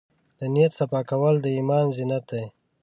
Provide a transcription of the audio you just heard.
د نیت صفا کول د ایمان زینت دی.